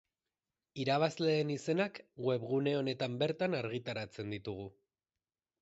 Irabazleen izenak webgune honetan bertan argitaratzen ditugu.